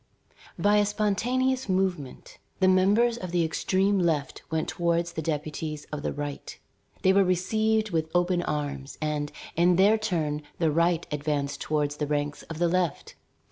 By a spontaneous movement, the members of the extreme left went towards the deputies of the right. They were received with open arms, and, in their turn, the right advanced toward the ranks of the left.